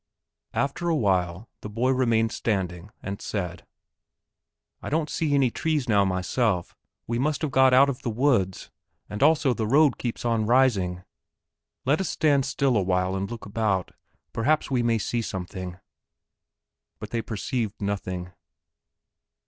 After a while the boy remained standing and said: "I don't see any trees now myself, we must have got out of the woods, and also the road keeps on rising. Let us stand still a while and look about, perhaps we may see something." But they perceived nothing.